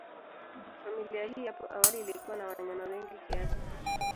Familia hii hapo awali ilikuwa na wanyama wengi kiasi.